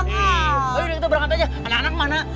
hei ayo deh kita berangkat aja anak anak mana